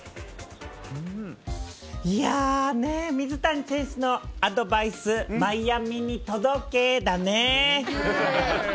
いやぁ、ねぇ、水谷選手のアドバイス、マイアミに届けーだね。